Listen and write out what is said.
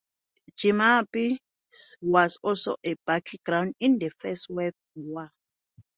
Jemappes was also a battleground in the First World War.